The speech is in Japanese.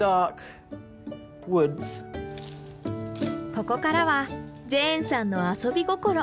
ここからはジェーンさんの遊び心。